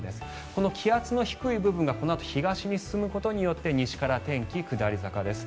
この気圧の低い部分がこのあと東に進むことによって西から天気、下り坂です。